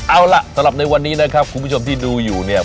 เอาล่ะสำหรับในวันนี้นะครับคุณผู้ชมที่ดูอยู่เนี่ย